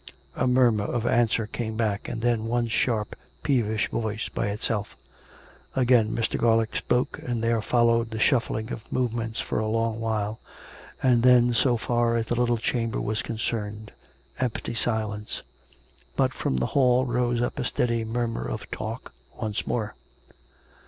A murmur of answer came back, and then one sharp, peevish voice by itself. Again Mr. Garlick spoke, and there followed the shuffling of movements for a long while; and then, so far as the little chamber was concerned, empty silence. But from the hall rose up a steady murmur of talk once more.